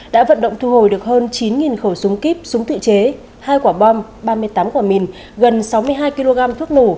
đã vận động thu hồi được hơn chín khẩu súng kíp súng tự chế hai quả bom ba mươi tám quả mìn gần sáu mươi hai kg thuốc nổ